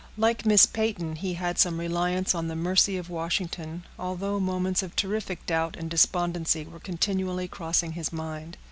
Like Miss Peyton, he had some reliance on the mercy of Washington, although moments of terrific doubt and despondency were continually crossing his mind.